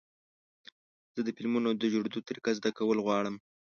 زه د فلمونو د جوړېدو طریقه زده کول غواړم.